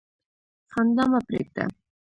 خندا مه پرېږده.